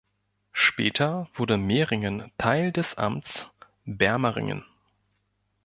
Später wurde Mähringen Teil des Amts Bermaringen.